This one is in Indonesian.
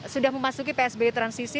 sudah memasuki psb transisi